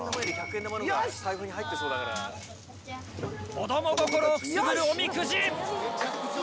子ども心をくすぐるおみくじ。